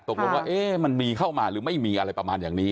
ตกลงว่ามันมีเข้ามาหรือไม่มีอะไรประมาณอย่างนี้